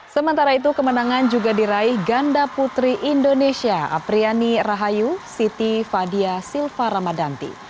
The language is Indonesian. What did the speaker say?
sementara itu kemenangan juga diraih ganda putri indonesia apriani rahayu siti fadia silva ramadanti